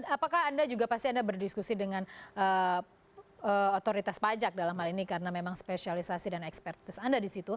apakah anda juga pasti anda berdiskusi dengan otoritas pajak dalam hal ini karena memang spesialisasi dan ekspertis anda di situ